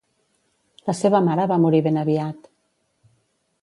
La seva mare va morir ben aviat.